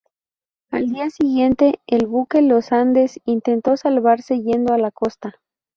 Al día siguiente el buque Los Andes intentó salvarse yendo a la costa.